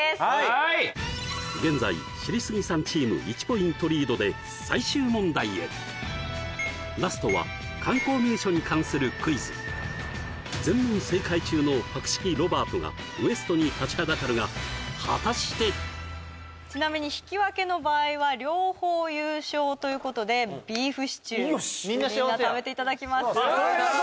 現在知りスギさんチーム１ポイントリードで最終問題へラストは観光名所に関するクイズ全問正解中の博識ロバートがＷＥＳＴに立ちはだかるが果たしてちなみに引き分けの場合は両方優勝ということでビーフシチューみんな食べていただきますよし！